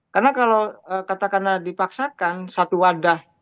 karena kalau katakanlah dipaksakan satu wadah